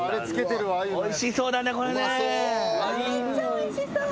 めっちゃおいしそう。